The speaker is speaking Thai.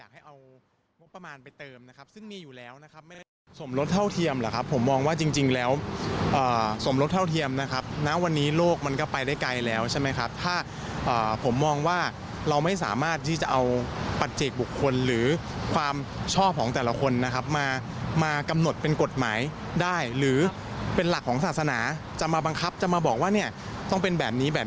หรือความเชื่อหรือความศรัทธาต้องแยกออกจากกันนะครับ